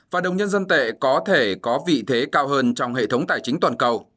và đồng nhân dân tệ có thể có vị thế cao hơn trong hệ thống tài chính toàn cầu